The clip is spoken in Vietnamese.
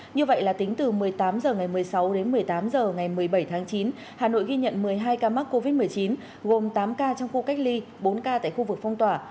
như vậy là tính từ một mươi tám h ngày một mươi sáu đến một mươi tám h ngày một mươi bảy tháng chín hà nội ghi nhận một mươi hai ca mắc covid một mươi chín gồm tám ca trong khu cách ly bốn ca tại khu vực phong tỏa